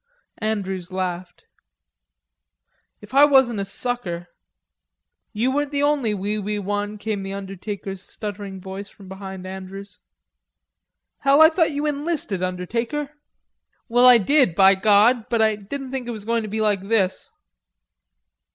Andrews laughed. "If I wasn't a sucker...." "You weren't the only wewe one," came the undertaker's stuttering voice from behind Andrews. "Hell, I thought you enlisted, undertaker." "Well, I did, by God! but I didn't think it was going to be like this."